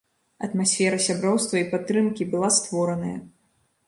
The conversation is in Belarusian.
Атмасфера сяброўства і падтрымкі была створаная.